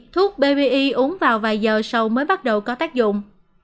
thuốc bri uống vào vài giờ sau mới bắt đầu có tác dụng